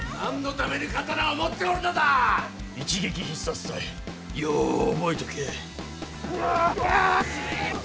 一撃必殺隊よう覚えとけ。